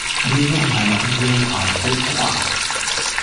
Diese wird im Heimatmuseum Alfeld verwahrt.